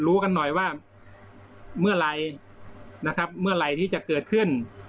รู้กันหน่อยว่าเมื่อไหร่นะครับเมื่อไหร่ที่จะเกิดขึ้น